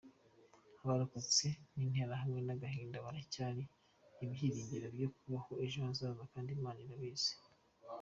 Abarokotse ntiheranwe n’agahinda haracyari ibyiringiro byo kubaho ejo hazaza kandi Imana irabazi.